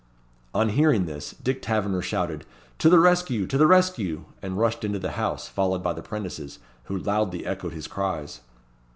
On hearing this, Dick Taverner shouted "To the rescue! to the rescue!" and rushed into the house, followed by the 'prentices, who loudly echoed his cries.